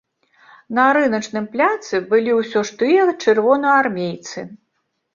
На рыначным пляцы былі ўсё тыя ж чырвонаармейцы.